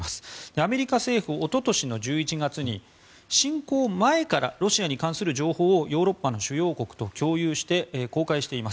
アメリカ政府おととしの１１月に侵攻前からロシアに関する情報をヨーロッパの主要国と共有して公開しています。